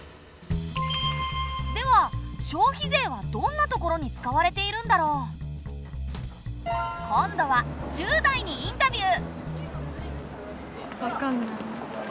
では消費税はどんなところに使われているんだろう？今度は１０代にインタビュー！